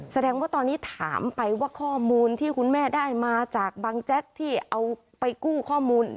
แสดงว่าตอนนี้ถามไปว่าข้อมูลที่คุณแม่ได้มาจากบางแจ็คที่เอาไปกู้ข้อมูล